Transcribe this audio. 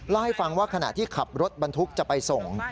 เล่าให้ฟังว่าขณะที่ขับรถบรรทุกจะไปส่ง